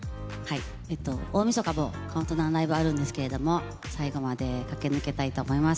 大みそかもカウントダウンライブあるんですけれども、最後まで駆け抜けたいと思います。